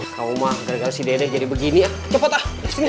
kamu mau gara gara si dede jadi begini cepet lah